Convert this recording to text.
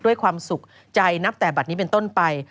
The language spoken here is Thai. ด้วยความสุขใจนับแต่บัตรนี้เป็นต้นไป